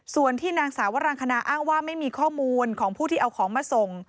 ส่วนที่นางสาวรังคณาอ้างว่าไม่มีข้อมูลของผู้ที่เอาของมาส่ง